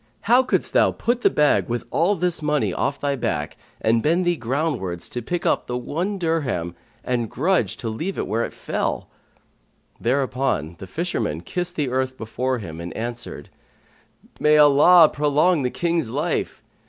How couldst thou put the bag with all this money off thy back and bend thee groundwards to pick up the one dirham and grudge to leave it where it fell?" Thereupon the fisherman kissed the earth before him and answered, "May Allah prolong the King's life!